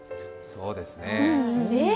そうですね。